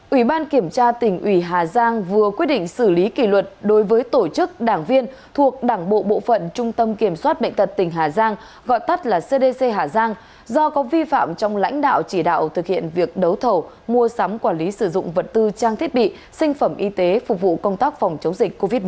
ủy ban kiểm tra tỉnh ủy hà giang vừa quyết định xử lý kỷ luật đối với tổ chức đảng viên thuộc đảng bộ bộ phận trung tâm kiểm soát bệnh tật tỉnh hà giang gọi tắt là cdc hà giang do có vi phạm trong lãnh đạo chỉ đạo thực hiện việc đấu thầu mua sắm quản lý sử dụng vật tư trang thiết bị sinh phẩm y tế phục vụ công tác phòng chống dịch covid một mươi chín